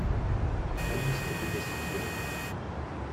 La liste des décisions.